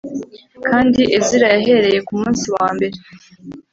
Kandi Ezira yahereye ku munsi wa mbere